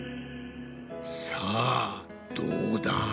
さあどうだ？